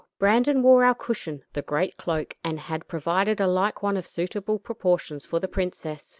Brandon wore our cushion, the great cloak, and had provided a like one of suitable proportions for the princess.